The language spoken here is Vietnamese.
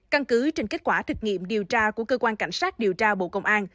căn cứ trên kết quả thực nghiệm điều tra của cơ quan cảnh sát điều tra bộ công an